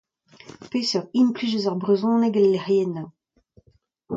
Peseurt implij eus ar brezhoneg el lecʼhiennoù ?